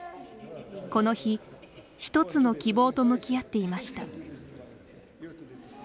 この日、ひとつの希望と向き合っていました。